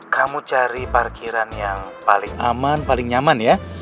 kamu cari parkiran yang paling aman paling nyaman ya